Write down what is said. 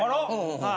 はい。